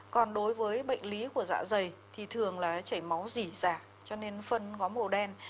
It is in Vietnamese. còn đối với bệnh lý của dạ dày thì thường là chảy máu dì dà cho nên phân có màu đen